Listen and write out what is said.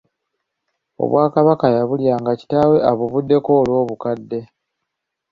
Obwakabaka yabulya nga kitaawe abuvuddeko olw'obukadde.